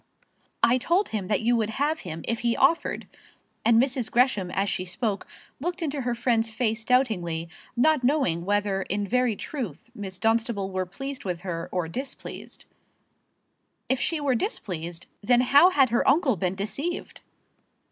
"I told him that you would have him if he offered." And Mrs. Gresham, as she spoke, looked into her friend's face doubtingly, not knowing whether in very truth Miss Dunstable were pleased with her or displeased. If she were displeased, then how had her uncle been deceived!